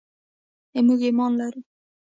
موږ ایمان لرو.